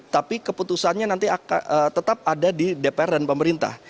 tapi keputusannya nanti tetap ada di dpr dan pemerintah